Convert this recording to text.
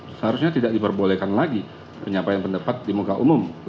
seharusnya tidak diperbolehkan lagi penyampaian pendapat di muka umum